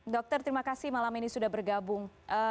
dokter terima kasih malam ini sudah bergabung